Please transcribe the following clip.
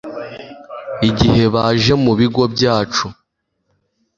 igihe baje mu bigo byacu